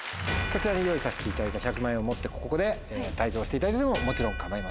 こちらに用意させていただいた１００万円を持ってここで退場していただいてももちろん構いません。